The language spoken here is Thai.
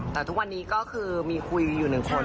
แต่ทุกวันนี้ก็คือมีคุยอยู่หนึ่งคน